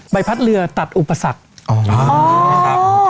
ใบพัดเรือตัดอุปสรรค